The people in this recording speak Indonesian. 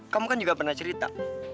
kamu kan juga pernah cerita